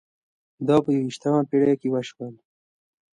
دا په یوویشتمه پېړۍ کې وشول.